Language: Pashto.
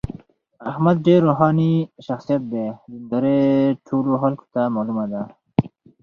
احمد ډېر روښاني شخصیت دی. دینداري ټولو خلکو ته معلومه ده.